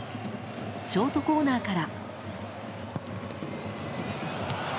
ショートコーナーから。